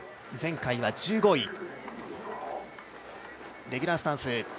前回は１５位。